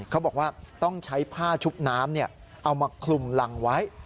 เขาบอกว่าต้องใช้ผ้าชุบน้ำเอามาคลุมรังไว้